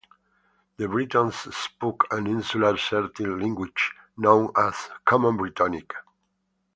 The Britons spoke an Insular Celtic language known as Common Brittonic.